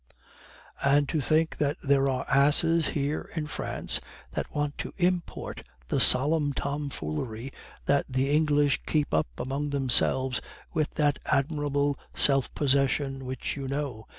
"And to think that there are asses here in France that want to import the solemn tomfoolery that the English keep up among themselves with that admirable self possession which you know!"